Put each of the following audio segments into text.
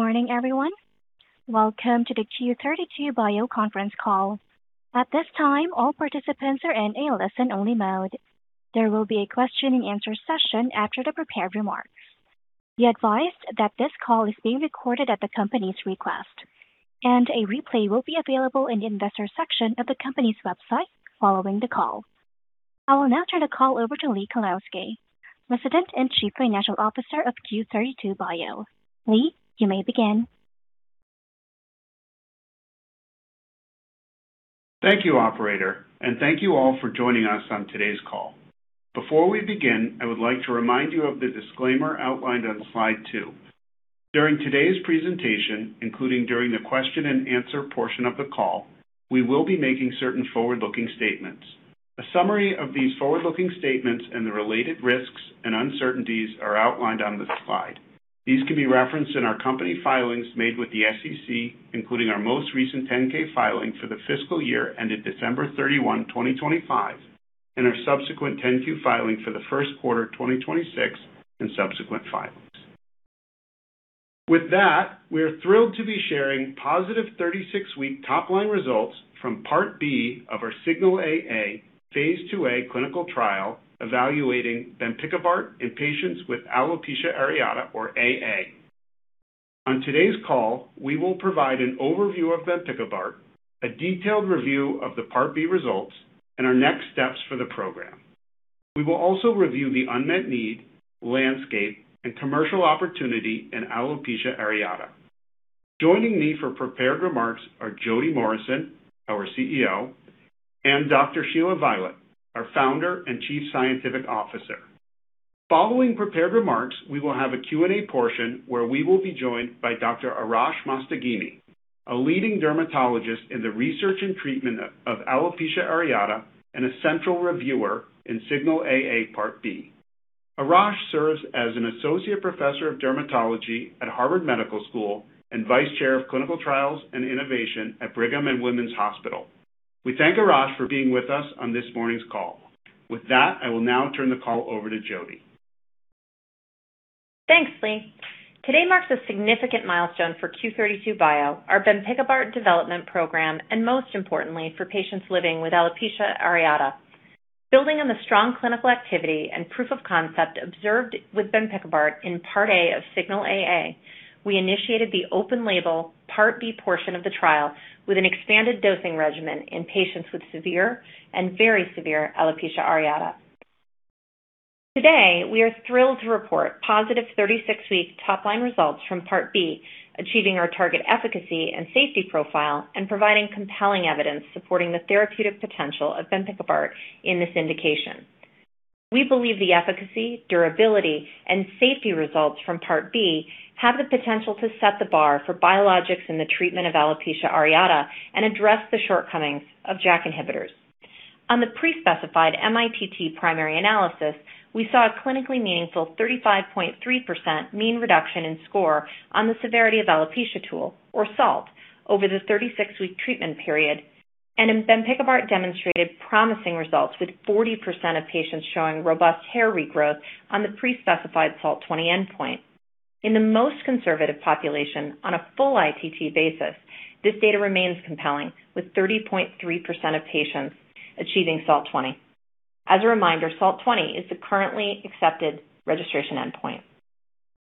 Good morning, everyone. Welcome to the Q32 Bio conference call. At this time, all participants are in a listen-only mode. There will be a question-and-answer session after the prepared remarks. Be advised that this call is being recorded at the company's request, and a replay will be available in the Investors section of the company's website following the call. I will now turn the call over to Lee Kalowski, President and Chief Financial Officer of Q32 Bio. Lee, you may begin. Thank you, operator, and thank you all for joining us on today's call. Before we begin, I would like to remind you of the disclaimer outlined on slide two. During today's presentation, including during the question and answer portion of the call, we will be making certain forward-looking statements. A summary of these forward-looking statements and the related risks and uncertainties are outlined on the slide. These can be referenced in our company filings made with the SEC, including our most recent 10-K filing for the fiscal year ended December 31, 2025, and our subsequent 10-Q filing for the first quarter 2026 and subsequent filings. With that, we are thrilled to be sharing positive 36-week top-line results from Part B of our SIGNAL-AA, phase II-a clinical trial evaluating bempikibart in patients with alopecia areata, or AA. On today's call, we will provide an overview of bempikibart, a detailed review of the Part B results, and our next steps for the program. We will also review the unmet need, landscape, and commercial opportunity in alopecia areata. Joining me for prepared remarks are Jodie Morrison, our CEO, and Dr. Shelia Violette, our founder and Chief Scientific Officer. Following prepared remarks, we will have a Q&A portion where we will be joined by Dr. Arash Mostaghimi, a leading dermatologist in the research and treatment of alopecia areata and a central reviewer in SIGNAL-AA Part B. Arash serves as an associate professor of dermatology at Harvard Medical School and Vice Chair of Clinical Trials and Innovation at Brigham and Women's Hospital. We thank Arash for being with us on this morning's call. With that, I will now turn the call over to Jodie. Thanks, Lee. Today marks a significant milestone for Q32 Bio, our bempikibart development program, and most importantly, for patients living with alopecia areata. Building on the strong clinical activity and proof of concept observed with bempikibart in Part A of SIGNAL-AA, we initiated the open-label Part B portion of the trial with an expanded dosing regimen in patients with severe and very severe alopecia areata. Today, we are thrilled to report positive 36-week top-line results from Part B, achieving our target efficacy and safety profile and providing compelling evidence supporting the therapeutic potential of bempikibart in this indication. We believe the efficacy, durability, and safety results from Part B have the potential to set the bar for biologics in the treatment of alopecia areata and address the shortcomings of JAK inhibitors. On the pre-specified mITT primary analysis, we saw a clinically meaningful 35.3% mean reduction in score on the Severity of Alopecia Tool, or SALT, over the 36-week treatment period, and bempikibart demonstrated promising results with 40% of patients showing robust hair regrowth on the pre-specified SALT-20 endpoint. In the most conservative population on a full ITT basis, this data remains compelling, with 30.3% of patients achieving SALT-20. As a reminder, SALT-20 is the currently accepted registration endpoint.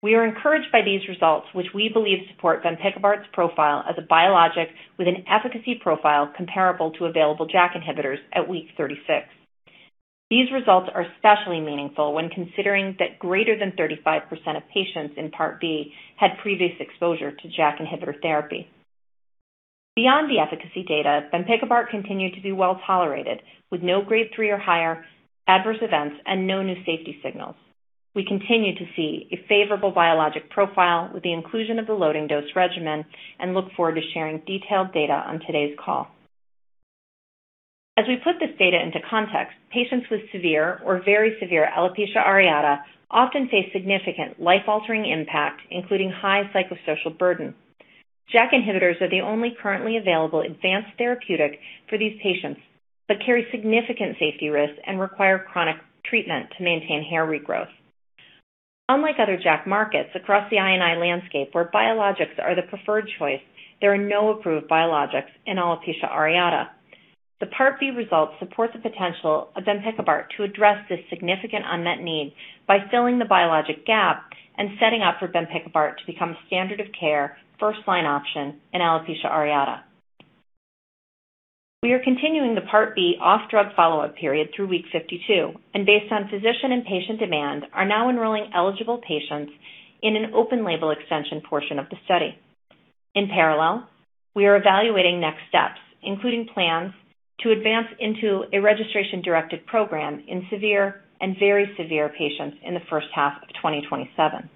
We are encouraged by these results, which we believe support bempikibart's profile as a biologic with an efficacy profile comparable to available JAK inhibitors at week 36. These results are especially meaningful when considering that greater than 35% of patients in Part B had previous exposure to JAK inhibitor therapy. Beyond the efficacy data, bempikibart continued to be well-tolerated, with no Grade 3 or higher adverse events and no new safety signals. We continue to see a favorable biologic profile with the inclusion of the loading dose regimen and look forward to sharing detailed data on today's call. As we put this data into context, patients with severe or very severe alopecia areata often face significant life-altering impact, including high psychosocial burden. JAK inhibitors are the only currently available advanced therapeutic for these patients, but carry significant safety risks and require chronic treatment to maintain hair regrowth. Unlike other JAK markets across the I&I landscape where biologics are the preferred choice, there are no approved biologics in alopecia areata. The Part B results support the potential of bempikibart to address this significant unmet need by filling the biologic gap and setting up for bempikibart to become a standard of care first-line option in alopecia areata. We are continuing the Part B off-drug follow-up period through week 52, and based on physician and patient demand, are now enrolling eligible patients in an open-label extension portion of the study. In parallel, we are evaluating next steps, including plans to advance into a registration-directed program in severe and very severe patients in the first half of 2027.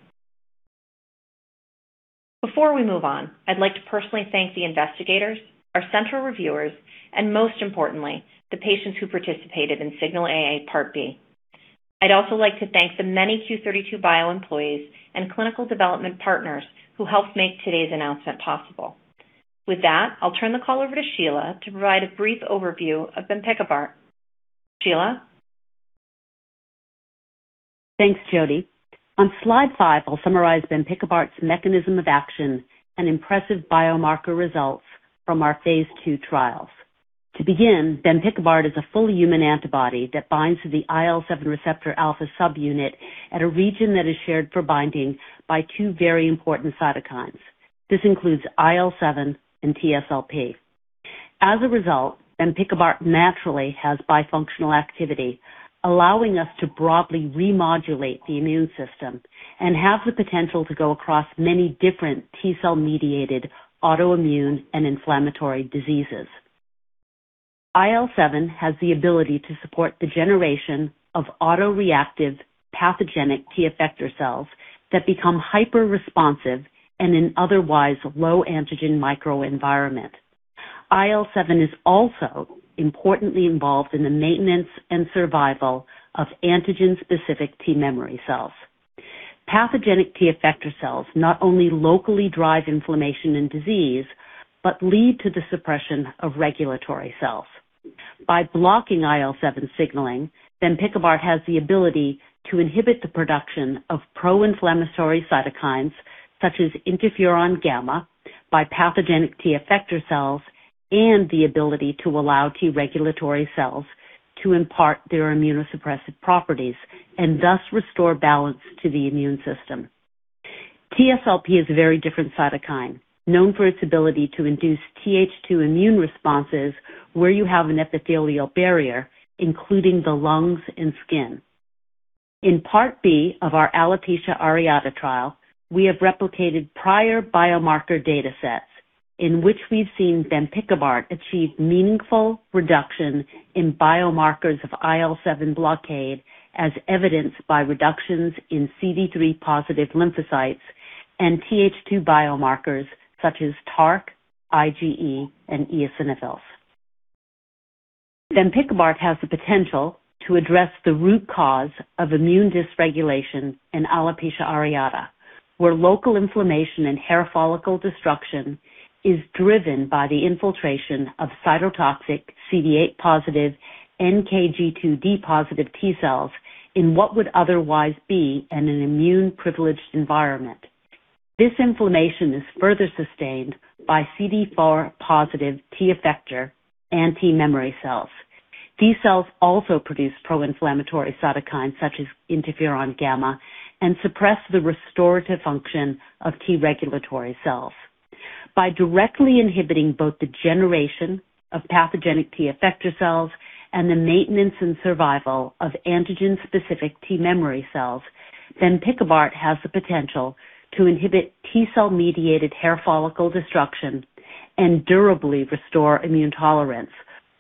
Before we move on, I'd like to personally thank the investigators, our central reviewers, and most importantly, the patients who participated in SIGNAL-AA Part B. I'd also like to thank the many Q32 Bio employees and clinical development partners who helped make today's announcement possible. With that, I'll turn the call over to Shelia to provide a brief overview of bempikibart. Shelia Thanks, Jodie. On slide five, I'll summarize bempikibart's mechanism of action and impressive biomarker results from our phase II trials. To begin, bempikibart is a fully human antibody that binds to the IL-7 receptor alpha subunit at a region that is shared for binding by two very important cytokines. This includes IL-7 and TSLP. As a result, bempikibart naturally has bifunctional activity, allowing us to broadly remodulate the immune system and have the potential to go across many different T cell-mediated autoimmune and inflammatory diseases. IL-7 has the ability to support the generation of autoreactive pathogenic T effector cells that become hyperresponsive in an otherwise low antigen microenvironment. IL-7 is also importantly involved in the maintenance and survival of antigen-specific T memory cells. Pathogenic T effector cells not only locally drive inflammation and disease but lead to the suppression of regulatory cells. By blocking IL-7 signaling, bempikibart has the ability to inhibit the production of pro-inflammatory cytokines, such as interferon gamma by pathogenic T effector cells, and the ability to allow T regulatory cells to impart their immunosuppressive properties, and thus restore balance to the immune system. TSLP is a very different cytokine, known for its ability to induce TH2 immune responses where you have an epithelial barrier, including the lungs and skin. In part B of our alopecia areata trial, we have replicated prior biomarker data sets in which we've seen bempikibart achieve meaningful reduction in biomarkers of IL-7 blockade, as evidenced by reductions in CD3 positive lymphocytes and TH2 biomarkers such as TARC, IgE, and eosinophils. Bempikibart has the potential to address the root cause of immune dysregulation in alopecia areata, where local inflammation and hair follicle destruction is driven by the infiltration of cytotoxic CD8 positive, NKG2D positive T cells in what would otherwise be in an immune-privileged environment. This inflammation is further sustained by CD4 positive T effector and T memory cells. These cells also produce pro-inflammatory cytokines such as interferon gamma and suppress the restorative function of T regulatory cells. By directly inhibiting both the generation of pathogenic T effector cells and the maintenance and survival of antigen-specific T memory cells, bempikibart has the potential to inhibit T cell-mediated hair follicle destruction and durably restore immune tolerance,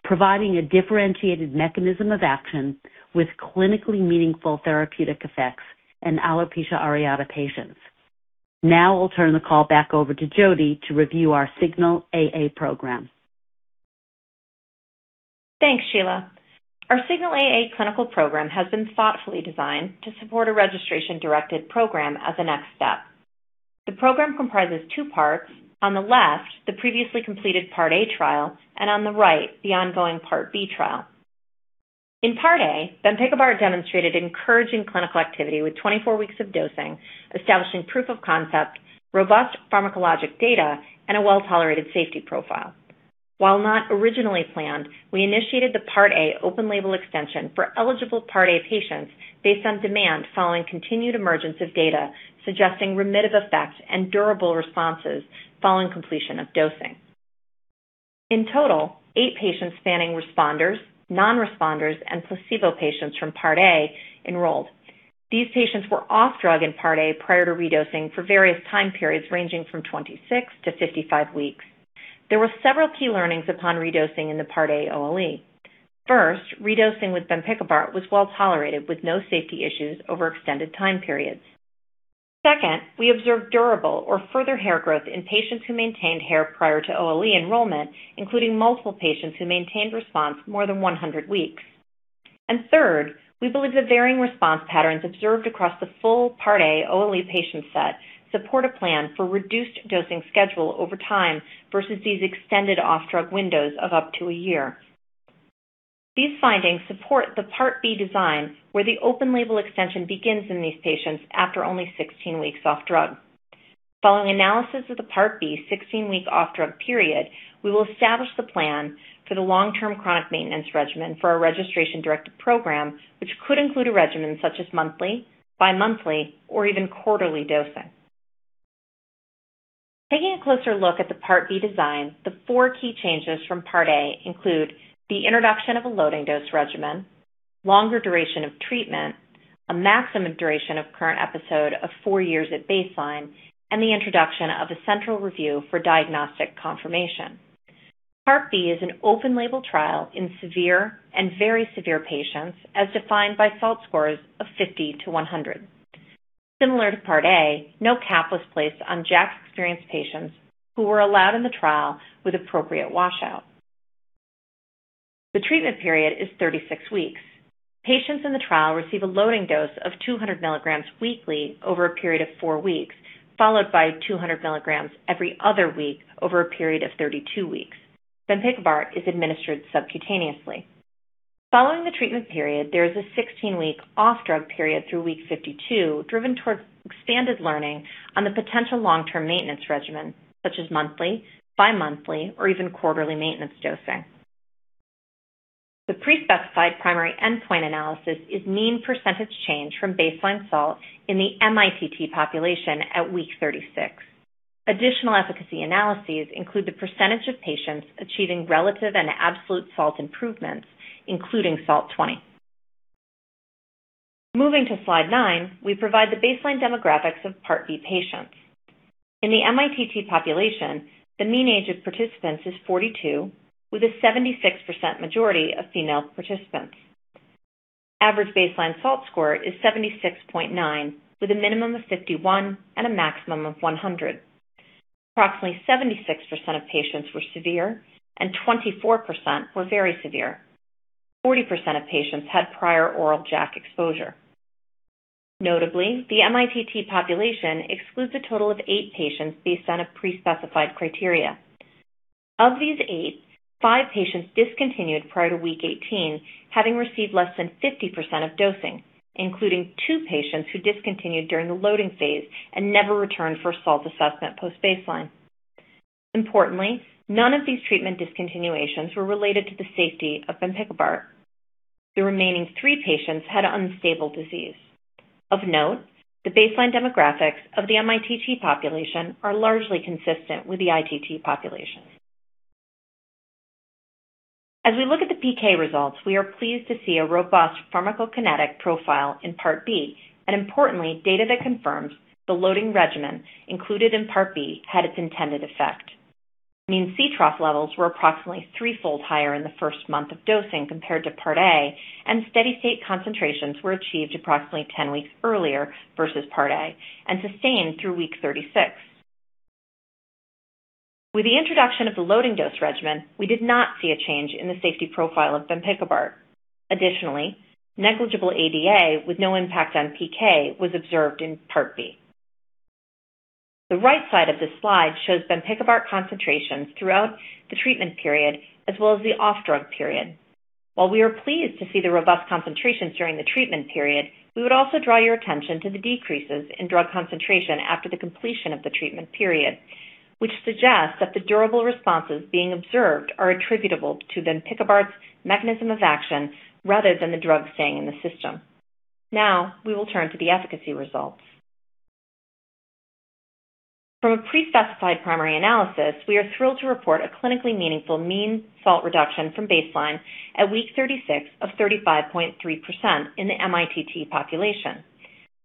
providing a differentiated mechanism of action with clinically meaningful therapeutic effects in alopecia areata patients. Now I'll turn the call back over to Jodie to review our SIGNAL-AA program. Thanks, Shelia. Our SIGNAL-AA clinical program has been thoughtfully designed to support a registration-directed program as a next step. The program comprises two parts. On the left, the previously completed part A trial, and on the right, the ongoing part B trial. In part A, bempikibart demonstrated encouraging clinical activity with 24 weeks of dosing, establishing proof of concept, robust pharmacologic data, and a well-tolerated safety profile. While not originally planned, we initiated the part A open-label extension for eligible part A patients based on demand following continued emergence of data suggesting remittive effect and durable responses following completion of dosing. In total, eight patients spanning responders, non-responders, and placebo patients from part A enrolled. These patients were off drug in part A prior to redosing for various time periods ranging from 26-55 weeks. There were several key learnings upon redosing in the part A OLE. First, redosing with bempikibart was well-tolerated with no safety issues over extended time periods. Second, we observed durable or further hair growth in patients who maintained hair prior to OLE enrollment, including multiple patients who maintained response more than 100 weeks. Third, we believe the varying response patterns observed across the full part A OLE patient set support a plan for reduced dosing schedule over time versus these extended off-drug windows of up to a year. These findings support the part B design, where the open-label extension begins in these patients after only 16 weeks off drug. Following analysis of the part B 16-week off-drug period, we will establish the plan for the long-term chronic maintenance regimen for our registration-directed program, which could include a regimen such as monthly, bimonthly, or even quarterly dosing. Taking a closer look at the part B design, the four key changes from part A include the introduction of a loading dose regimen, longer duration of treatment, a maximum duration of current episode of four years at baseline, and the introduction of a central review for diagnostic confirmation. Part B is an open-label trial in severe and very severe patients, as defined by SALT scores of 50-100. Similar to part A, no cap was placed on JAK experienced patients, who were allowed in the trial with appropriate washout. The treatment period is 36 weeks. Patients in the trial receive a loading dose of 200 mg weekly over a period of four weeks, followed by 200 mg every other week over a period of 32 weeks. Bempikibart is administered subcutaneously. Following the treatment period, there is a 16-week off-drug period through week 52 driven towards expanded learning on the potential long-term maintenance regimen, such as monthly, bimonthly, or even quarterly maintenance dosing. The pre-specified primary endpoint analysis is mean percentage change from baseline SALT in the mITT population at week 36. Additional efficacy analyses include the percentage of patients achieving relative and absolute SALT improvements, including SALT≤20. Moving to slide nine, we provide the baseline demographics of Part B patients. In the mITT population, the mean age of participants is 42, with a 76% majority of female participants. Average baseline SALT score is 76.9, with a minimum of 51 and a maximum of 100. Approximately 76% of patients were severe and 24% were very severe. 40% of patients had prior oral JAK exposure. Notably, the mITT population excludes a total of eight patients based on a pre-specified criteria. Of these eight, five patients discontinued prior to week 18, having received less than 50% of dosing, including two patients who discontinued during the loading phase and never returned for SALT assessment post-baseline. Importantly, none of these treatment discontinuations were related to the safety of bempikibart. The remaining three patients had unstable disease. Of note, the baseline demographics of the mITT population are largely consistent with the ITT population. As we look at the PK results, we are pleased to see a robust pharmacokinetic profile in Part B, and importantly, data that confirms the loading regimen included in Part B had its intended effect. Mean C-trough levels were approximately three-fold higher in the first month of dosing compared to Part A, and steady-state concentrations were achieved approximately 10 weeks earlier versus Part A and sustained through week 36. With the introduction of the loading dose regimen, we did not see a change in the safety profile of bempikibart. Additionally, negligible ADA with no impact on PK was observed in Part B. The right side of this slide shows bempikibart concentrations throughout the treatment period as well as the off-drug period. While we are pleased to see the robust concentrations during the treatment period, we would also draw your attention to the decreases in drug concentration after the completion of the treatment period, which suggests that the durable responses being observed are attributable to bempikibart's mechanism of action rather than the drug staying in the system. Now, we will turn to the efficacy results. From a pre-specified primary analysis, we are thrilled to report a clinically meaningful mean SALT reduction from baseline at week 36 of 35.3% in the mITT population.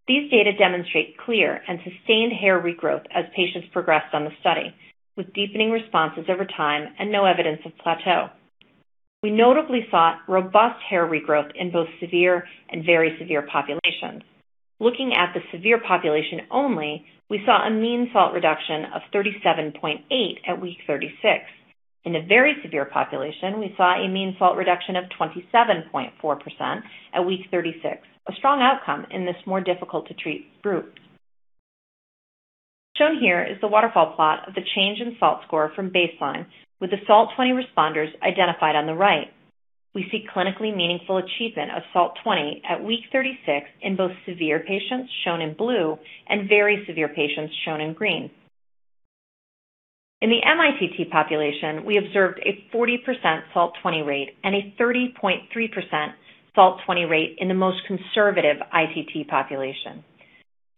These data demonstrate clear and sustained hair regrowth as patients progress on the study, with deepening responses over time and no evidence of plateau. We notably saw robust hair regrowth in both severe and very severe populations. Looking at the severe population only, we saw a mean SALT reduction of 37.8% at week 36. In the very severe population, we saw a mean SALT reduction of 27.4% at week 36, a strong outcome in this more difficult-to-treat group. Shown here is the waterfall plot of the change in SALT score from baseline, with the SALT-20 responders identified on the right. We see clinically meaningful achievement of SALT-20 at week 36 in both severe patients, shown in blue, and very severe patients, shown in green. In the mITT population, we observed a 40% SALT-20 rate and a 30.3% SALT-20 rate in the most conservative ITT population.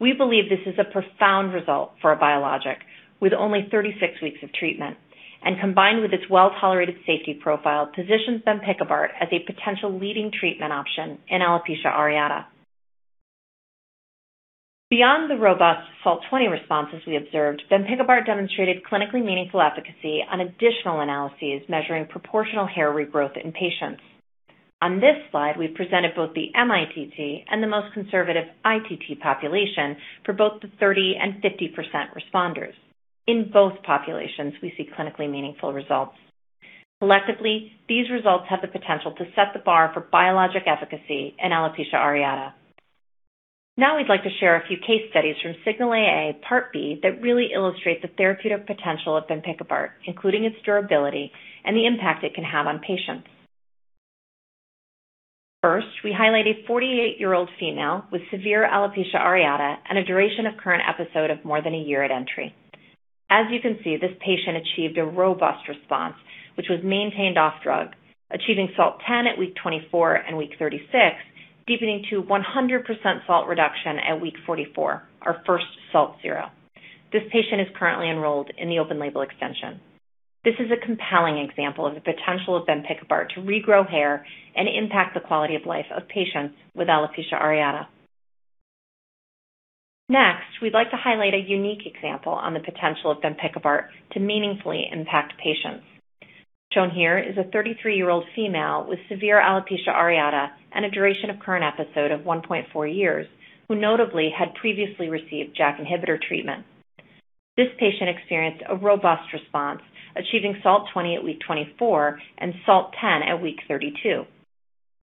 We believe this is a profound result for a biologic, with only 36 weeks of treatment, and combined with its well-tolerated safety profile, positions bempikibart as a potential leading treatment option in alopecia areata. Beyond the robust SALT-20 responses we observed, bempikibart demonstrated clinically meaningful efficacy on additional analyses measuring proportional hair regrowth in patients. On this slide, we've presented both the mITT and the most conservative ITT population for both the 30% and 50% responders. In both populations, we see clinically meaningful results. Collectively, these results have the potential to set the bar for biologic efficacy in alopecia areata. Now we'd like to share a few case studies from SIGNAL-AA Part B that really illustrate the therapeutic potential of bempikibart, including its durability and the impact it can have on patients. First, we highlight a 48-year-old female with severe alopecia areata and a duration of current episode of more than a year at entry. As you can see, this patient achieved a robust response, which was maintained off drug, achieving SALT 10 at week 24 and week 36, deepening to 100% SALT reduction at week 44, our first SALT 0. This patient is currently enrolled in the open-label extension. This is a compelling example of the potential of bempikibart to regrow hair and impact the quality of life of patients with alopecia areata. Next, we'd like to highlight a unique example on the potential of bempikibart to meaningfully impact patients. Shown here is a 33-year-old female with severe alopecia areata and a duration of current episode of 1.4 years, who notably had previously received JAK inhibitor treatment. This patient experienced a robust response, achieving SALT-20 at week 24 and SALT 10 at week 32.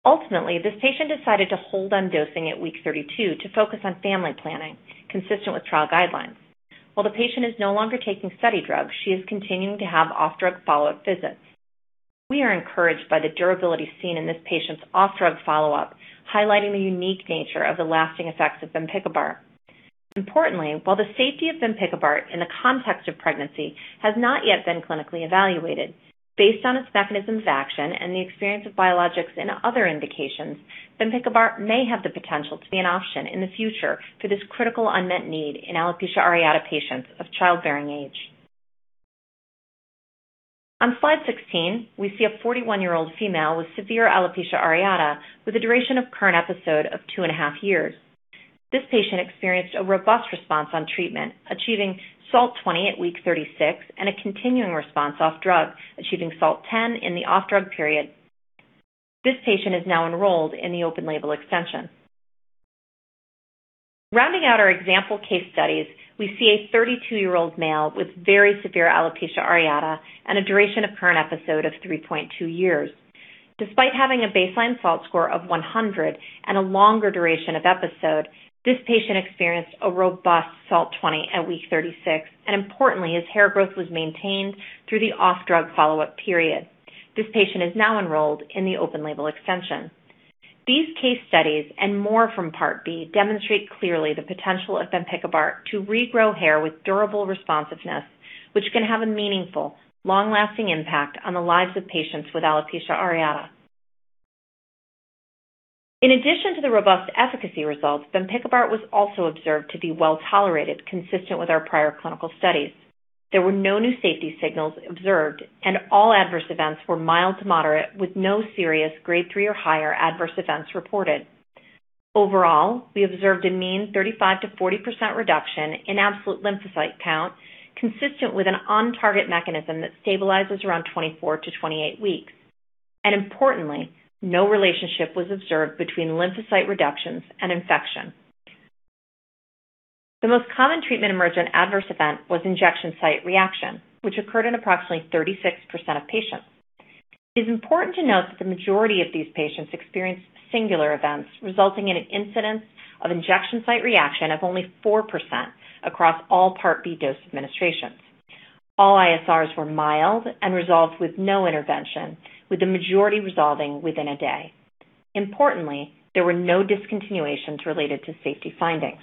Ultimately, this patient decided to hold on dosing at week 32 to focus on family planning, consistent with trial guidelines. While the patient is no longer taking study drugs, she is continuing to have off-drug follow-up visits. We are encouraged by the durability seen in this patient's off-drug follow-up, highlighting the unique nature of the lasting effects of bempikibart. While the safety of bempikibart in the context of pregnancy has not yet been clinically evaluated, based on its mechanisms of action and the experience of biologics in other indications, bempikibart may have the potential to be an option in the future for this critical unmet need in alopecia areata patients of childbearing age. On slide 16, we see a 41-year-old female with severe alopecia areata with a duration of current episode of 2.5 years. This patient experienced a robust response on treatment, achieving SALT-20 at week 36 and a continuing response off drug, achieving SALT 10 in the off-drug period. This patient is now enrolled in the open-label extension. Rounding out our example case studies, we see a 32-year-old male with very severe alopecia areata and a duration of current episode of 3.2 years. Despite having a baseline SALT score of 100 and a longer duration of episode, this patient experienced a robust SALT-20 at week 36. His hair growth was maintained through the off-drug follow-up period. This patient is now enrolled in the open-label extension. These case studies, and more from Part B, demonstrate clearly the potential of bempikibart to regrow hair with durable responsiveness, which can have a meaningful, long-lasting impact on the lives of patients with alopecia areata. In addition to the robust efficacy results, bempikibart was also observed to be well-tolerated, consistent with our prior clinical studies. There were no new safety signals observed, and all adverse events were mild to moderate, with no serious Grade 3 or higher adverse events reported. Overall, we observed a mean 35%-40% reduction in absolute lymphocyte count, consistent with an on-target mechanism that stabilizes around 24-28 weeks. No relationship was observed between lymphocyte reductions and infection. The most common treatment-emergent adverse event was injection site reaction, which occurred in approximately 36% of patients. It is important to note that the majority of these patients experienced singular events, resulting in an incidence of injection site reaction of only 4% across all Part B dose administrations. All ISRs were mild and resolved with no intervention, with the majority resolving within a day. There were no discontinuations related to safety findings.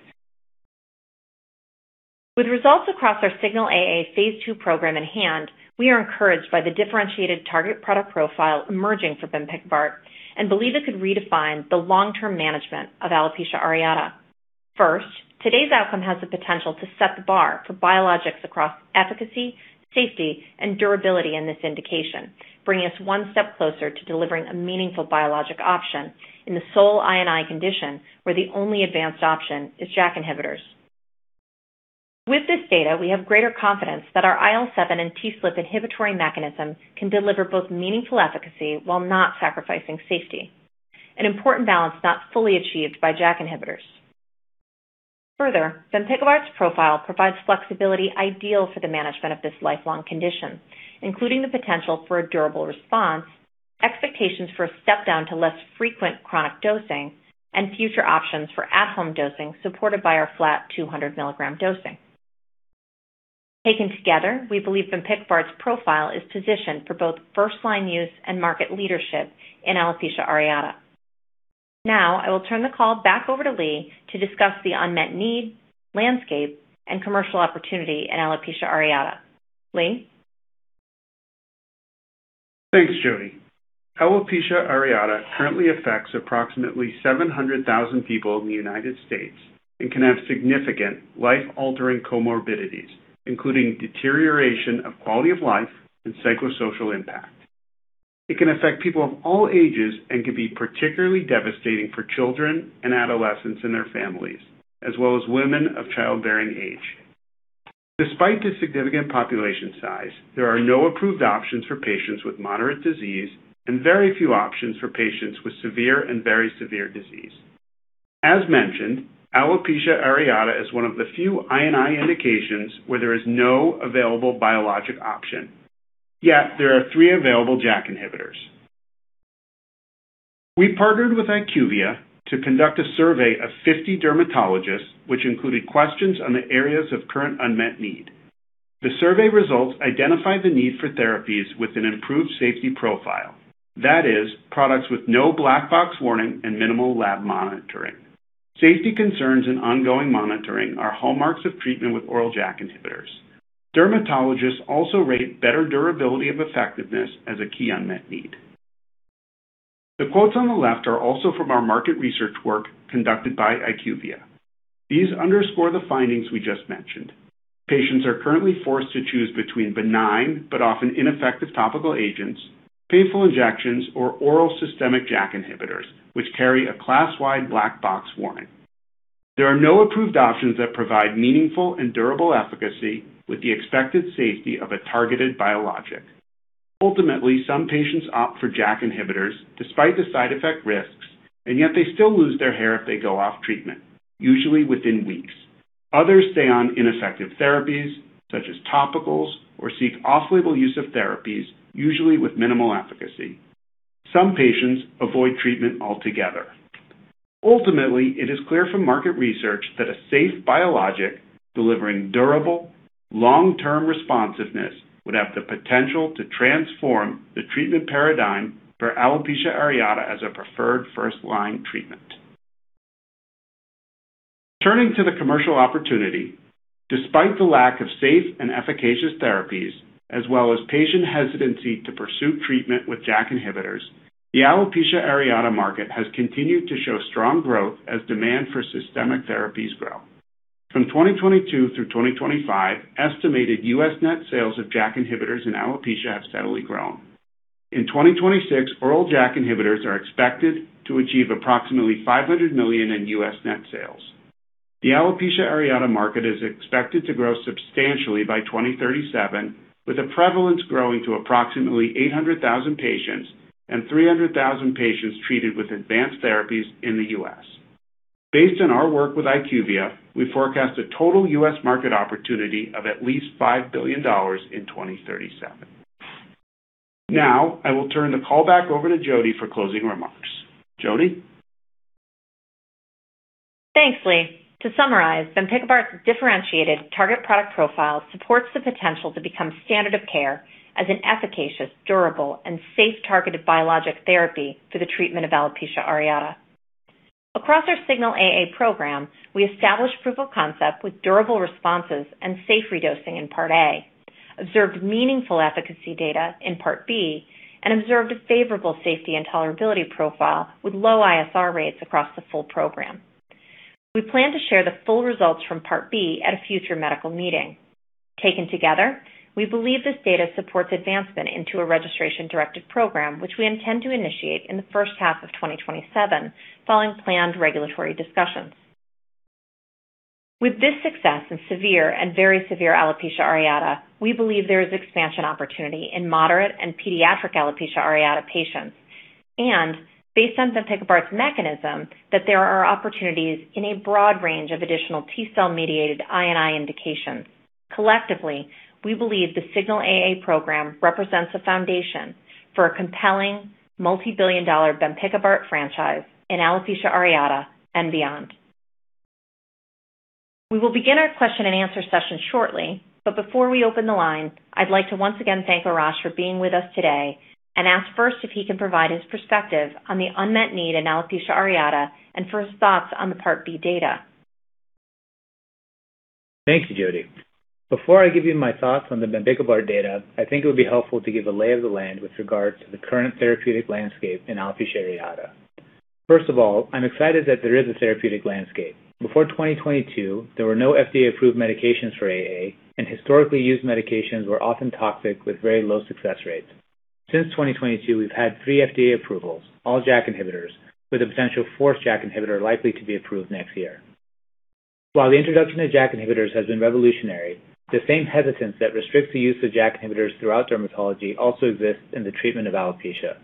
With results across our SIGNAL-AA phase II program in hand, we are encouraged by the differentiated target product profile emerging for bempikibart and believe it could redefine the long-term management of alopecia areata. First, today's outcome has the potential to set the bar for biologics across efficacy, safety, and durability in this indication, bringing us one step closer to delivering a meaningful biologic option in the sole I&I condition where the only advanced option is JAK inhibitors. With this data, we have greater confidence that our IL-7 and TSLP inhibitory mechanism can deliver both meaningful efficacy while not sacrificing safety, an important balance not fully achieved by JAK inhibitors. Further, bempikibart's profile provides flexibility ideal for the management of this lifelong condition, including the potential for a durable response, expectations for a step-down to less frequent chronic dosing, and future options for at-home dosing supported by our flat 200 mg dosing. Taken together, we believe bempikibart's profile is positioned for both first-line use and market leadership in alopecia areata. Now, I will turn the call back over to Lee to discuss the unmet need, landscape, and commercial opportunity in alopecia areata. Lee? Thanks, Jodie. alopecia areata currently affects approximately 700,000 people in the U.S. and can have significant life-altering comorbidities, including deterioration of quality of life and psychosocial impact. It can affect people of all ages and can be particularly devastating for children and adolescents and their families, as well as women of childbearing age. Despite the significant population size, there are no approved options for patients with moderate disease and very few options for patients with severe and very severe disease. As mentioned, alopecia areata is one of the few I&I indications where there is no available biologic option. Yet there are three available JAK inhibitors. We partnered with IQVIA to conduct a survey of 50 dermatologists, which included questions on the areas of current unmet need. The survey results identified the need for therapies with an improved safety profile, that is, products with no black box warning and minimal lab monitoring. Safety concerns and ongoing monitoring are hallmarks of treatment with oral JAK inhibitors. Dermatologists also rate better durability of effectiveness as a key unmet need. The quotes on the left are also from our market research work conducted by IQVIA. These underscore the findings we just mentioned. Patients are currently forced to choose between benign but often ineffective topical agents, painful injections, or oral systemic JAK inhibitors, which carry a class-wide black box warning. There are no approved options that provide meaningful and durable efficacy with the expected safety of a targeted biologic. Ultimately, some patients opt for JAK inhibitors despite the side effect risks, and yet they still lose their hair if they go off treatment, usually within weeks. Others stay on ineffective therapies such as topicals or seek off-label use of therapies, usually with minimal efficacy. Some patients avoid treatment altogether. Ultimately, it is clear from market research that a safe biologic delivering durable, long-term responsiveness would have the potential to transform the treatment paradigm for alopecia areata as a preferred first-line treatment. Turning to the commercial opportunity, despite the lack of safe and efficacious therapies as well as patient hesitancy to pursue treatment with JAK inhibitors, the alopecia areata market has continued to show strong growth as demand for systemic therapies grow. From 2022 through 2025, estimated U.S. net sales of JAK inhibitors in alopecia have steadily grown. In 2026, oral JAK inhibitors are expected to achieve approximately $500 million in U.S. net sales. The alopecia areata market is expected to grow substantially by 2037, with a prevalence growing to approximately 800,000 patients and 300,000 patients treated with advanced therapies in the U.S. Based on our work with IQVIA, we forecast a total U.S. market opportunity of at least $5 billion in 2037. I will turn the call back over to Jodie for closing remarks. Jodie? Thanks, Lee. To summarize, bempikibart's differentiated target product profile supports the potential to become standard of care as an efficacious, durable, and safe targeted biologic therapy for the treatment of alopecia areata. Across our SIGNAL-AA program, we established proof of concept with durable responses and safe redosing in Part A, observed meaningful efficacy data in Part B, and observed a favorable safety and tolerability profile with low ISR rates across the full program. We plan to share the full results from Part B at a future medical meeting. We believe this data supports advancement into a registration-directed program, which we intend to initiate in the first half of 2027, following planned regulatory discussions. With this success in severe and very severe alopecia areata, we believe there is expansion opportunity in moderate and pediatric alopecia areata patients. Based on the bempikibart mechanism, that there are opportunities in a broad range of additional T-cell-mediated I&I indications. We believe the SIGNAL-AA program represents a foundation for a compelling multi-billion-dollar bempikibart franchise in alopecia areata and beyond. We will begin our question-and-answer session shortly, but before we open the line, I'd like to once again thank Arash for being with us today and ask first if he can provide his perspective on the unmet need in alopecia areata and for his thoughts on the Part B data. Thank you, Jodie. Before I give you my thoughts on the bempikibart data, I think it would be helpful to give a lay of the land with regard to the current therapeutic landscape in alopecia areata. I'm excited that there is a therapeutic landscape. Before 2022, there were no FDA-approved medications for AA, and historically used medications were often toxic with very low success rates. Since 2022, we've had three FDA approvals, all JAK inhibitors, with a potential fourth JAK inhibitor likely to be approved next year. While the introduction of JAK inhibitors has been revolutionary, the same hesitance that restricts the use of JAK inhibitors throughout dermatology also exists in the treatment of alopecia.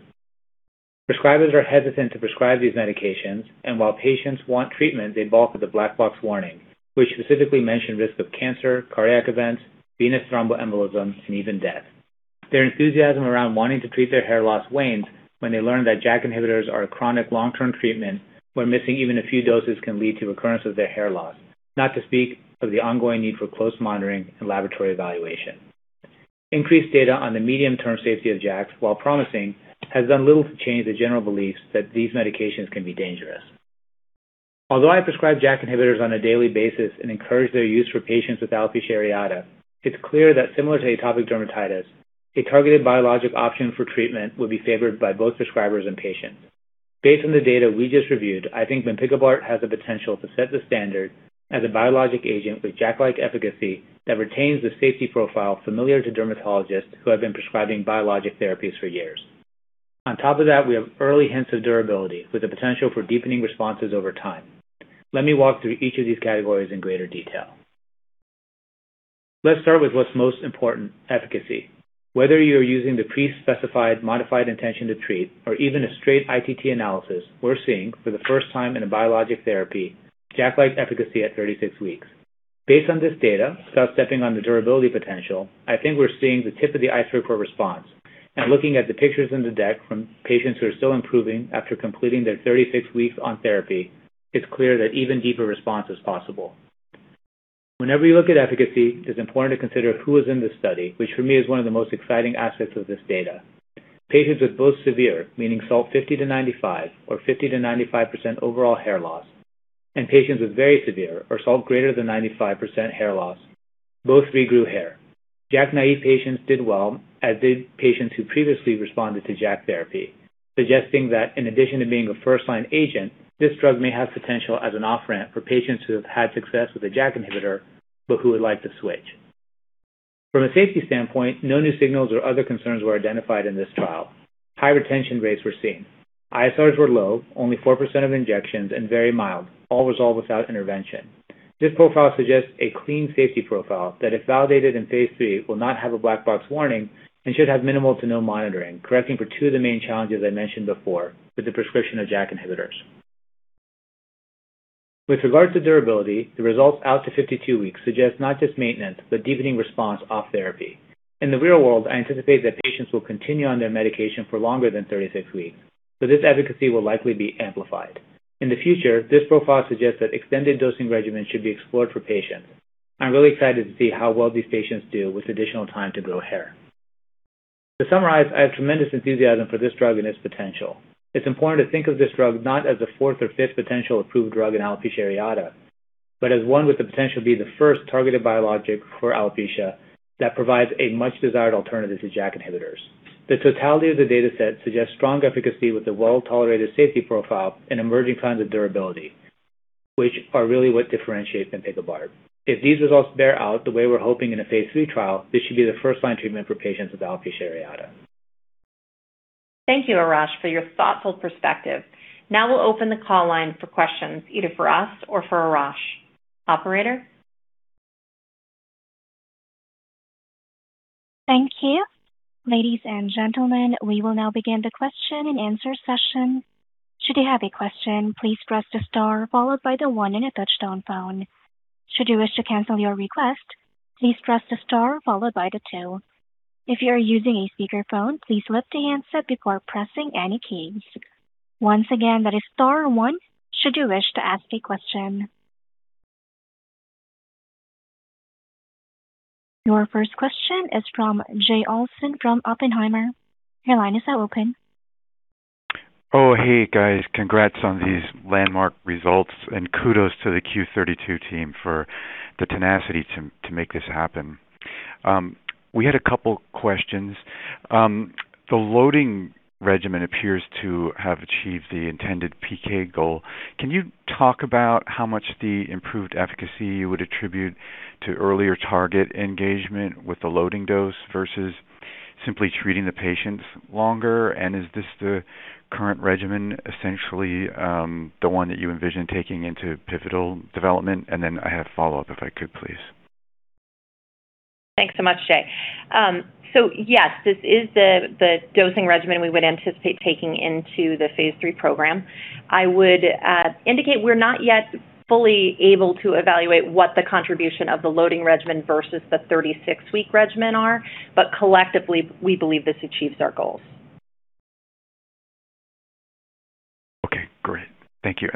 Prescribers are hesitant to prescribe these medications, and while patients want treatment, they balk at the black box warning, which specifically mention risk of cancer, cardiac events, venous thromboembolism, and even death. Their enthusiasm around wanting to treat their hair loss wanes when they learn that JAK inhibitors are a chronic long-term treatment where missing even a few doses can lead to recurrence of their hair loss, not to speak of the ongoing need for close monitoring and laboratory evaluation. Increased data on the medium-term safety of JAKs, while promising, has done little to change the general beliefs that these medications can be dangerous. Although I prescribe JAK inhibitors on a daily basis and encourage their use for patients with alopecia areata, it's clear that similar to atopic dermatitis, a targeted biologic option for treatment would be favored by both prescribers and patients. Based on the data we just reviewed, I think bempikibart has the potential to set the standard as a biologic agent with JAK-like efficacy that retains the safety profile familiar to dermatologists who have been prescribing biologic therapies for years. On top of that, we have early hints of durability with the potential for deepening responses over time. Let me walk through each of these categories in greater detail. Let's start with what's most important, efficacy. Whether you're using the pre-specified modified intention-to-treat or even a straight ITT analysis, we're seeing for the first time in a biologic therapy, JAK-like efficacy at 36 weeks. Based on this data, without stepping on the durability potential, I think we're seeing the tip of the iceberg for response. Looking at the pictures in the deck from patients who are still improving after completing their 36 weeks on therapy, it's clear that even deeper response is possible. Whenever you look at efficacy, it's important to consider who is in the study, which for me is one of the most exciting aspects of this data. Patients with both severe, meaning SALT 50-95 or 50%-95% overall hair loss, and patients with very severe or SALT greater than 95% hair loss, both regrew hair. JAK-naive patients did well, as did patients who previously responded to JAK therapy, suggesting that in addition to being a first-line agent, this drug may have potential as an off-ramp for patients who have had success with a JAK inhibitor but who would like to switch. From a safety standpoint, no new signals or other concerns were identified in this trial. High retention rates were seen. ISRs were low, only 4% of injections, and very mild, all resolved without intervention. This profile suggests a clean safety profile that, if validated in phase III, will not have a black box warning and should have minimal to no monitoring, correcting for two of the main challenges I mentioned before with the prescription of JAK inhibitors. With regard to durability, the results out to 52 weeks suggest not just maintenance, but deepening response off therapy. In the real world, I anticipate that patients will continue on their medication for longer than 36 weeks. This efficacy will likely be amplified. In the future, this profile suggests that extended dosing regimens should be explored for patients. I'm really excited to see how well these patients do with additional time to grow hair. To summarize, I have tremendous enthusiasm for this drug and its potential. It's important to think of this drug not as the fourth or fifth potential approved drug in alopecia areata, but as one with the potential to be the first targeted biologic for alopecia that provides a much-desired alternative to JAK inhibitors. The totality of the data set suggests strong efficacy with a well-tolerated safety profile and emerging signs of durability, which are really what differentiate bempikibart. If these results bear out the way we're hoping in a Phase III trial, this should be the first-line treatment for patients with alopecia areata. Thank you, Arash, for your thoughtful perspective. Now we'll open the call line for questions, either for us or for Arash. Operator? Thank you. Ladies and gentlemen, we will now begin the question-and-answer session. Should you have a question, please press the star followed by the one on a touch-tone phone. Should you wish to cancel your request, please press the star followed by the two. If you are using a speakerphone, please lift the handset before pressing any keys. Once again, that is star one should you wish to ask a question. Your first question is from Jay Olson from Oppenheimer. Your line is now open. Hey, guys. Congrats on these landmark results, kudos to the Q32 team for the tenacity to make this happen. We had a couple questions. The loading regimen appears to have achieved the intended PK goal. Can you talk about how much the improved efficacy you would attribute to earlier target engagement with the loading dose versus simply treating the patients longer? Is this the current regimen, essentially, the one that you envision taking into pivotal development? I have follow-up if I could please. Thanks so much, Jay. Yes, this is the dosing regimen we would anticipate taking into the phase III program. I would indicate we're not yet fully able to evaluate what the contribution of the loading regimen versus the 36-week regimen are. Collectively, we believe this achieves our goals. Okay, great. Thank you.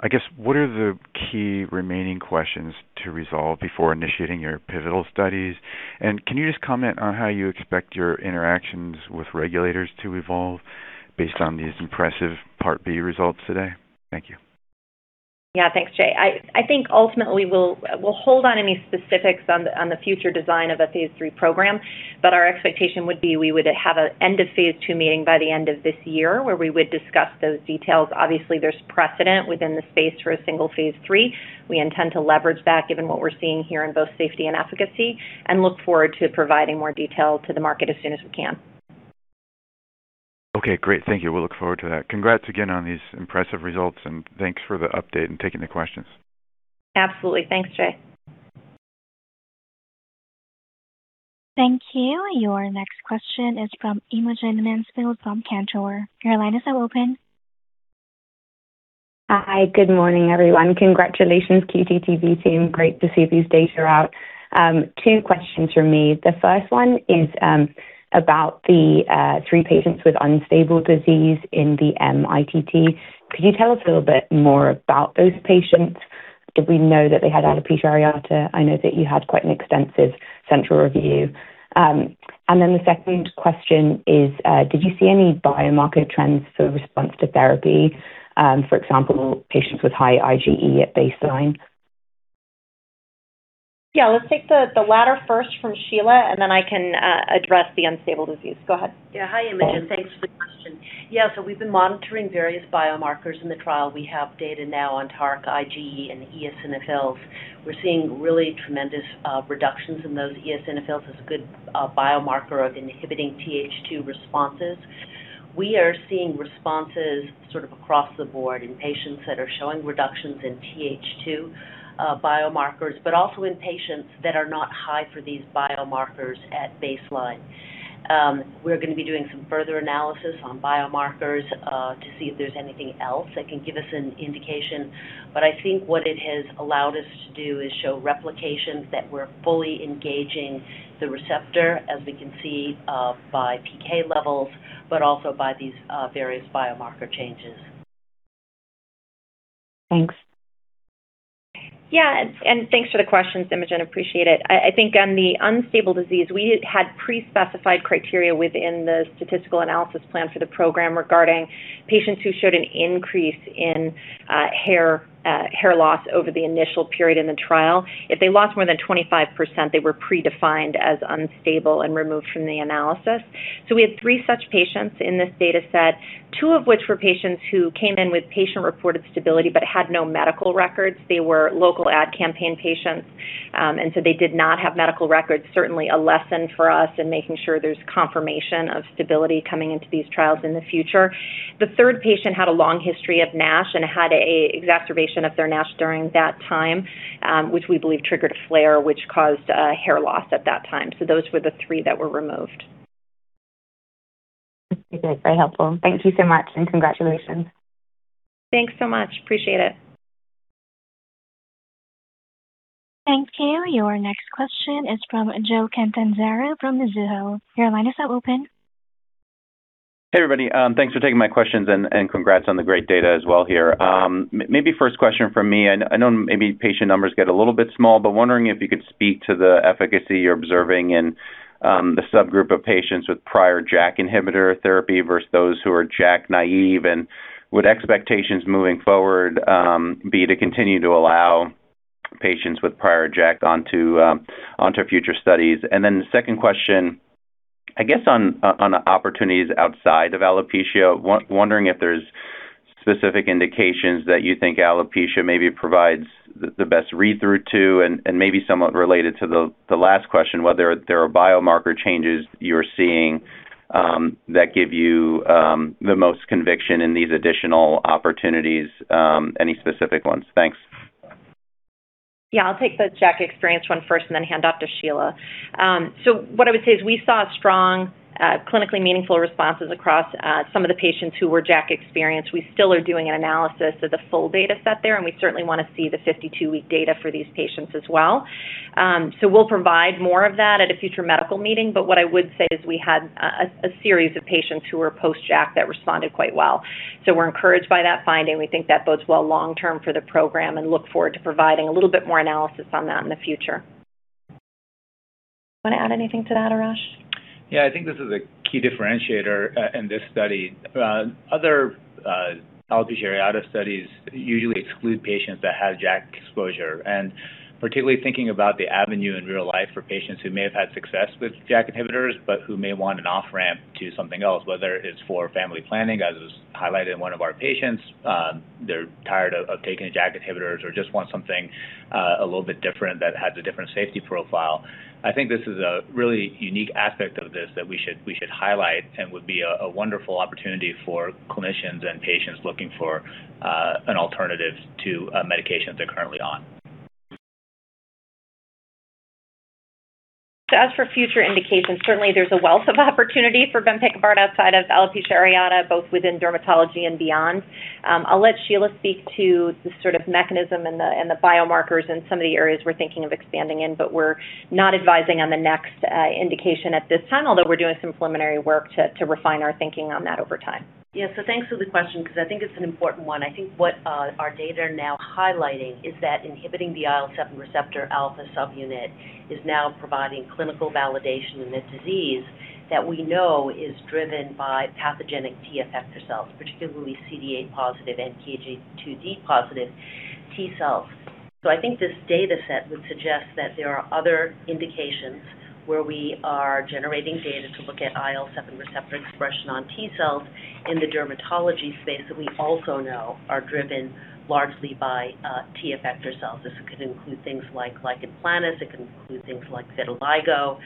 I guess, what are the key remaining questions to resolve before initiating your pivotal studies? Can you just comment on how you expect your interactions with regulators to evolve based on these impressive Part B results today? Thank you. Yeah, thanks, Jay. I think ultimately, we'll hold on any specifics on the future design of a phase III program, but our expectation would be we would have an end of phase II meeting by the end of this year, where we would discuss those details. Obviously, there's precedent within the space for a single phase III. We intend to leverage that given what we're seeing here in both safety and efficacy and look forward to providing more detail to the market as soon as we can. Okay, great. Thank you. We'll look forward to that. Congrats again on these impressive results, and thanks for the update and taking the questions. Absolutely. Thanks, Jay. Thank you. Your next question is from Imogen Mansfield from Cantor. Your line is now open. Hi. Good morning, everyone. Congratulations, Q32 team. Great to see these data out. Two questions from me. The first one is about the three patients with unstable disease in the mITT. Could you tell us a little bit more about those patients? Did we know that they had alopecia areata? I know that you had quite an extensive central review. The second question is, did you see any biomarker trends for response to therapy? For example, patients with high IgE at baseline. Let's take the latter first from Shelia, and then I can address the unstable disease. Go ahead. Hi, Imogen. Thanks for the question. We've been monitoring various biomarkers in the trial. We have data now on TARC, IgE, and eosinophils. We're seeing really tremendous reductions in those eosinophils as a good biomarker of inhibiting TH2 responses. We are seeing responses sort of across the board in patients that are showing reductions in TH2 biomarkers, but also in patients that are not high for these biomarkers at baseline. We're going to be doing some further analysis on biomarkers to see if there's anything else that can give us an indication. I think what it has allowed us to do is show replications that we're fully engaging the receptor, as we can see by PK levels, but also by these various biomarker changes. Thanks. Thanks for the questions, Imogen. Appreciate it. I think on the unstable disease, we had pre-specified criteria within the statistical analysis plan for the program regarding patients who showed an increase in hair loss over the initial period in the trial. If they lost more than 25%, they were predefined as unstable and removed from the analysis. We had three such patients in this data set, two of which were patients who came in with patient-reported stability but had no medical records. They were local ad campaign patients, they did not have medical records, certainly a lesson for us in making sure there's confirmation of stability coming into these trials in the future. The third patient had a long history of NASH and had an exacerbation of their NASH during that time, which we believe triggered a flare, which caused hair loss at that time. Those were the three that were removed. You did. Very helpful. Thank you so much, and congratulations. Thanks so much. Appreciate it. Thank you. Your next question is from Joe Catanzaro from Mizuho. Your line is now open. Hey, everybody. Thanks for taking my questions. Congrats on the great data as well here. Maybe first question from me, I know maybe patient numbers get a little bit small, but wondering if you could speak to the efficacy you're observing in the subgroup of patients with prior JAK inhibitor therapy versus those who are JAK naive. Would expectations moving forward be to continue to allow patients with prior JAK onto future studies? The second question, I guess on the opportunities outside of alopecia, wondering if there's specific indications that you think alopecia maybe provides the best read-through to, and maybe somewhat related to the last question, whether there are biomarker changes you're seeing that give you the most conviction in these additional opportunities, any specific ones. Thanks. I'll take the JAK experience one first and then hand off to Shelia. What I would say is we saw strong, clinically meaningful responses across some of the patients who were JAK experienced. We still are doing an analysis of the full data set there, and we certainly want to see the 52-week data for these patients as well. We'll provide more of that at a future medical meeting. What I would say is we had a series of patients who were post-JAK that responded quite well. We're encouraged by that finding. We think that bodes well long term for the program and look forward to providing a little bit more analysis on that in the future. Want to add anything to that, Arash? I think this is a key differentiator in this study. Other alopecia areata studies usually exclude patients that have JAK exposure, and particularly thinking about the avenue in real life for patients who may have had success with JAK inhibitors, but who may want an off-ramp to something else, whether it's for family planning, as was highlighted in one of our patients, they're tired of taking JAK inhibitors or just want something a little bit different that has a different safety profile. I think this is a really unique aspect of this that we should highlight and would be a wonderful opportunity for clinicians and patients looking for an alternative to a medication they're currently on. As for future indications, certainly there's a wealth of opportunity for bempikibart outside of alopecia areata, both within dermatology and beyond. I'll let Shelia speak to the sort of mechanism and the biomarkers in some of the areas we're thinking of expanding in, but we're not advising on the next indication at this time, although we're doing some preliminary work to refine our thinking on that over time. Thanks for the question because I think it's an important one. I think what our data are now highlighting is that inhibiting the IL-7 receptor alpha subunit is now providing clinical validation in this disease that we know is driven by pathogenic T effector cells, particularly CD8 positive and NKG2D positive T cells. I think this data set would suggest that there are other indications where we are generating data to look at IL-7 receptor expression on T cells in the dermatology space that we also know are driven largely by T effector cells. This could include things like lichen planus. It can include things like vitiligo.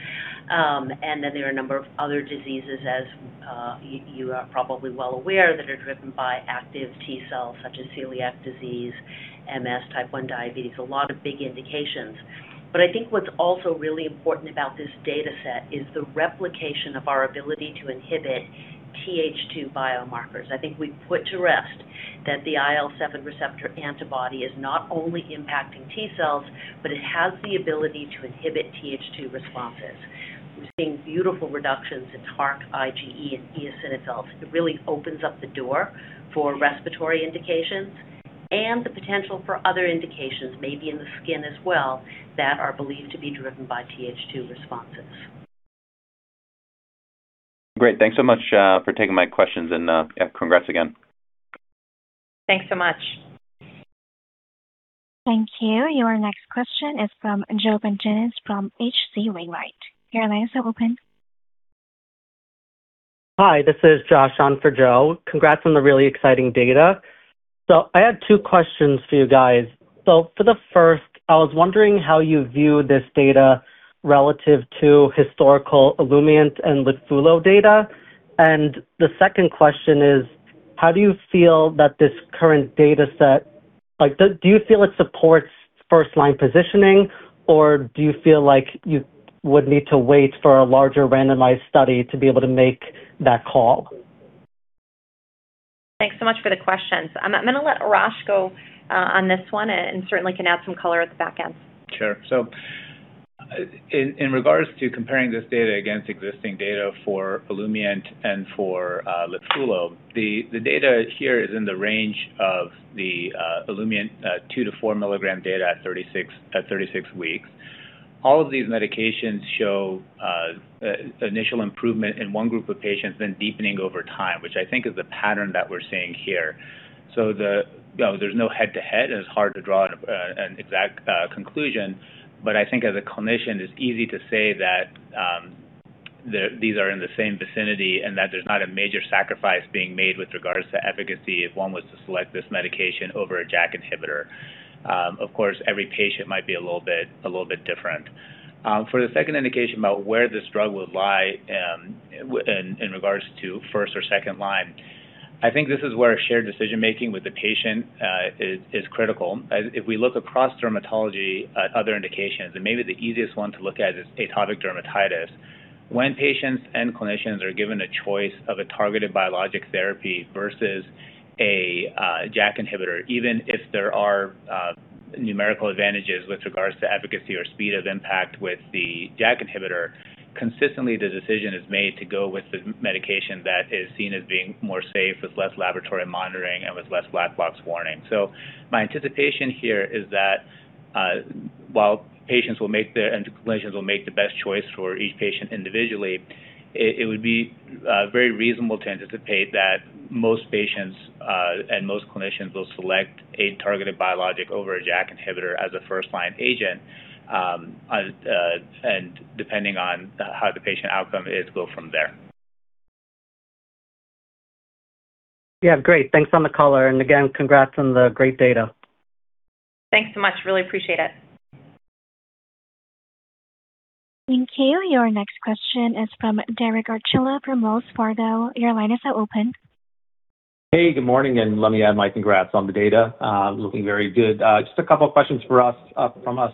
There are a number of other diseases, as you are probably well aware, that are driven by active T cells, such as celiac disease, MS, type 1 diabetes, a lot of big indications. I think what's also really important about this data set is the replication of our ability to inhibit TH2 biomarkers. I think we've put to rest that the IL-7 receptor antibody is not only impacting T cells, but it has the ability to inhibit TH2 responses. We're seeing beautiful reductions in TARC, IgE, and eosinophils. It really opens up the door for respiratory indications and the potential for other indications, maybe in the skin as well, that are believed to be driven by TH2 responses. Great. Thanks so much for taking my questions, congrats again. Thanks so much. Thank you. Your next question is from Joe Pantginis from H.C. Wainwright. Your line is open. Hi, this is Josh on for Joe. Congrats on the really exciting data. I had two questions for you guys. For the first, I was wondering how you view this data relative to historical Olumiant and LITFULO data. The second question is, how do you feel that this current data set, do you feel it supports first-line positioning, or do you feel like you would need to wait for a larger randomized study to be able to make that call? Thanks so much for the questions. I'm going to let Arash go on this one and certainly can add some color at the back end. Sure. In regards to comparing this data against existing data for Olumiant and for LITFULO, the data here is in the range of the Olumiant 2 mg-4 mg data at 36 weeks. All of these medications show initial improvement in one group of patients, then deepening over time, which I think is the pattern that we're seeing here. There's no head-to-head, and it's hard to draw an exact conclusion, but I think as a clinician, it's easy to say that these are in the same vicinity and that there's not a major sacrifice being made with regards to efficacy if one was to select this medication over a JAK inhibitor. Of course, every patient might be a little bit different. For the second indication about where this drug would lie in regards to first or second line, I think this is where shared decision-making with the patient is critical. If we look across dermatology at other indications, maybe the easiest one to look at is atopic dermatitis. When patients and clinicians are given a choice of a targeted biologic therapy versus a JAK inhibitor, even if there are numerical advantages with regards to efficacy or speed of impact with the JAK inhibitor, consistently the decision is made to go with the medication that is seen as being more safe, with less laboratory monitoring, and with less black box warning. My anticipation here is that, while patients will make their, and clinicians will make the best choice for each patient individually, it would be very reasonable to anticipate that most patients, and most clinicians will select a targeted biologic over a JAK inhibitor as a first-line agent, and depending on how the patient outcome is, go from there. Yeah. Great. Thanks on the color. Again, congrats on the great data. Thanks so much. Really appreciate it. Thank you. Your next question is from Derek Archila from Wells Fargo. Your line is now open. Good morning. Let me add my congrats on the data. Looking very good. Just a couple questions from us.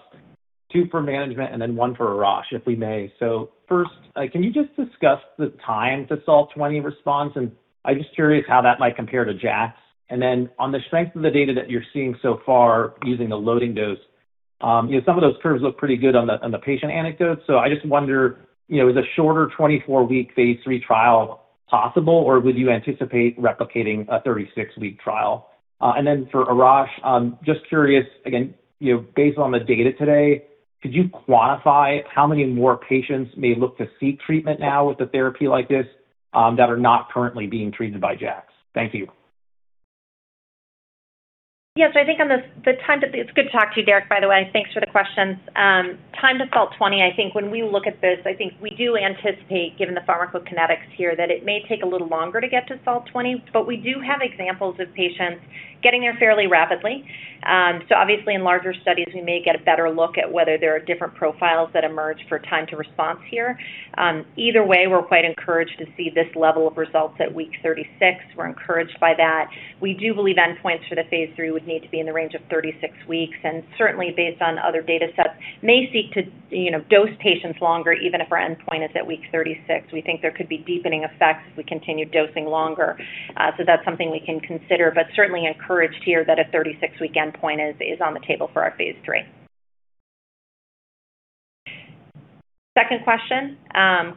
Two for management, one for Arash, if we may. First, can you just discuss the time to SALT-20 response? I'm just curious how that might compare to JAKs. On the strength of the data that you're seeing so far using the loading dose, some of those curves look pretty good on the patient anecdotes. I just wonder, is a shorter 24-week phase III trial possible, or would you anticipate replicating a 36-week trial? For Arash, just curious again, based on the data today, could you quantify how many more patients may look to seek treatment now with a therapy like this, that are not currently being treated by JAKs? Thank you. Yes. It's good to talk to you, Derek, by the way. Thanks for the questions. Time to SALT-20, when we look at this, we do anticipate, given the pharmacokinetics here, that it may take a little longer to get to SALT-20, but we do have examples of patients getting there fairly rapidly. Obviously in larger studies, we may get a better look at whether there are different profiles that emerge for time to response here. Either way, we're quite encouraged to see this level of results at week 36. We're encouraged by that. We do believe endpoints for the phase III would need to be in the range of 36 weeks. Certainly based on other data sets, may seek to dose patients longer, even if our endpoint is at week 36. We think there could be deepening effects if we continue dosing longer. That's something we can consider, but certainly encouraged here that a 36-week endpoint is on the table for our phase III. Second question,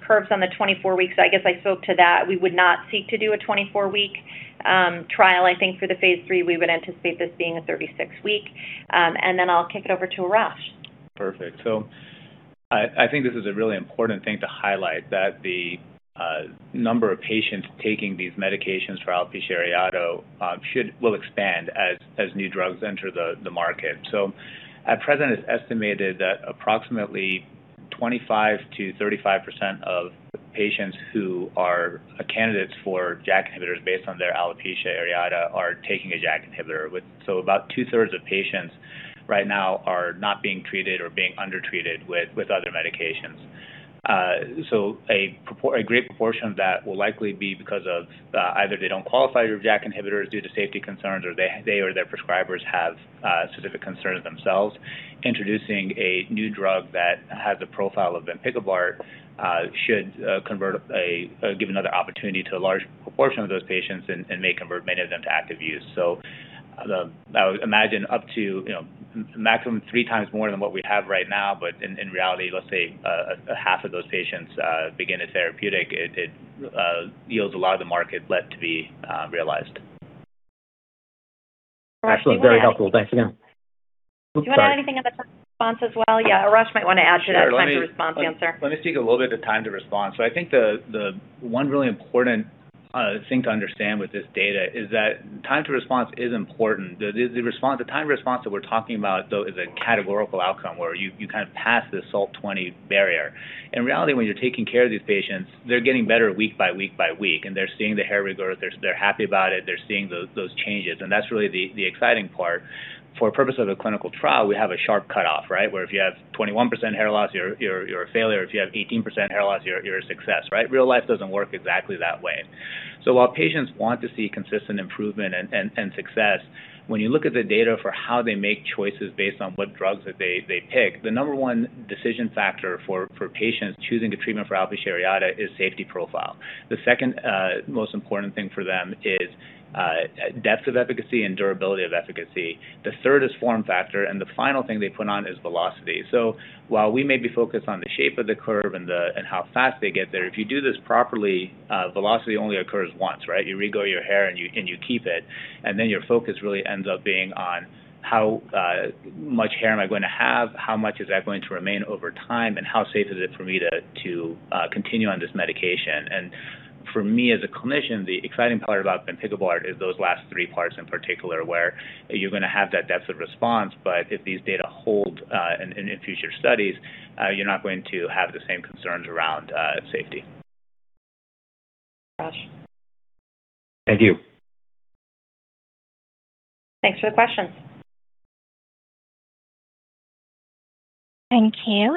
curves on the 24 weeks. I guess I spoke to that. We would not seek to do a 24-week trial for the phase III. We would anticipate this being a 36-week. I'll kick it over to Arash. Perfect. I think this is a really important thing to highlight that the number of patients taking these medications for alopecia areata will expand as new drugs enter the market. At present, it's estimated that approximately 25%-35% of patients who are candidates for JAK inhibitors based on their alopecia areata are taking a JAK inhibitor. About two-thirds of patients right now are not being treated or being undertreated with other medications. A great proportion of that will likely be because of either they don't qualify for JAK inhibitors due to safety concerns, or they or their prescribers have specific concerns themselves. Introducing a new drug that has the profile of bempikibart should give another opportunity to a large proportion of those patients and may convert many of them to active use. I would imagine up to maximum three times more than what we have right now. In reality, let's say half of those patients begin a therapeutic, it yields a lot of the market left to be realized. Excellent. Very helpful. Thanks again. Do you want to add anything on the time to response as well? Yeah, Arash might want to add to that time to response answer. Let me speak a little bit to time to response. I think the one really important thing to understand with this data is that time to response is important. The time to response that we're talking about, though, is a categorical outcome where you kind of pass this SALT-20 barrier. In reality, when you're taking care of these patients, they're getting better week by week by week, and they're seeing the hair regrowth. They're happy about it. They're seeing those changes, and that's really the exciting part. For purpose of a clinical trial, we have a sharp cutoff, right? Where if you have 21% hair loss, you're a failure. If you have 18% hair loss, you're a success, right? Real life doesn't work exactly that way. While patients want to see consistent improvement and success, when you look at the data for how they make choices based on what drugs that they pick, the number one decision factor for patients choosing a treatment for alopecia areata is safety profile. The second most important thing for them is depth of efficacy and durability of efficacy. The third is form factor, and the final thing they put on is velocity. While we may be focused on the shape of the curve and how fast they get there, if you do this properly, velocity only occurs once, right? You regrow your hair, and you keep it, and then your focus really ends up being on how much hair am I going to have, how much is that going to remain over time, and how safe is it for me to continue on this medication? For me, as a clinician, the exciting part about bempikibart is those last three parts in particular, where you're going to have that depth of response. If these data hold in future studies, you're not going to have the same concerns around safety. Arash. Thank you. Thanks for the question. Thank you.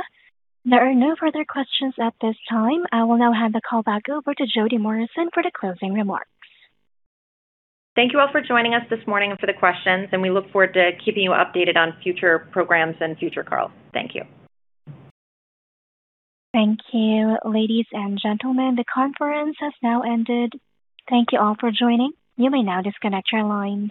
There are no further questions at this time. I will now hand the call back over to Jodie Morrison for the closing remarks. Thank you all for joining us this morning and for the questions, and we look forward to keeping you updated on future programs and future calls. Thank you. Thank you. Ladies and gentlemen, the conference has now ended. Thank you all for joining. You may now disconnect your lines.